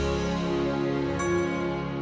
kok ini tinggalin sih